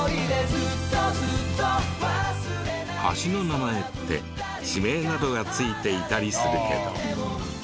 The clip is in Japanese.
橋の名前って地名などが付いていたりするけど。